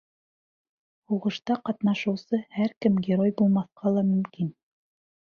— Һуғышта ҡатнашыусы һәр кем герой булмаҫҡа ла мөмкин.